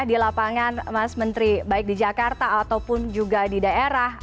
di lapangan mas menteri baik di jakarta ataupun juga di daerah